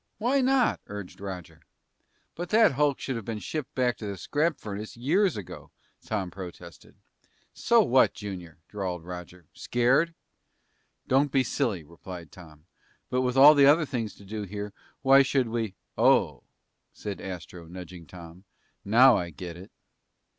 "Why not?" urged Roger. "But that hulk should have been shipped back to the scrap furnace years ago!" Tom protested. "So what, Junior?" drawled Roger. "Scared?" "Don't be silly," replied Tom. "But with all the other things to do here, why should we " "Oh," said Astro, nudging Tom, "now I get it!"